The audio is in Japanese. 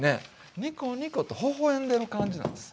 ニコニコと微笑んでる感じなんです。